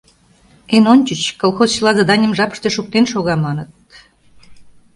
Эн ончыч, колхоз чыла заданийым жапыште шуктен шога, маныт.